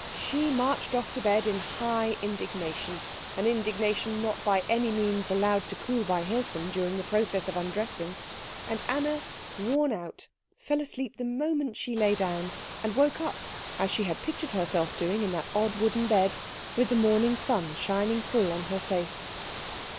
She marched off to bed in high indignation, an indignation not by any means allowed to cool by Hilton during the process of undressing; and Anna, worn out, fell asleep the moment she lay down, and woke up, as she had pictured herself doing in that odd wooden bed, with the morning sun shining full on her face.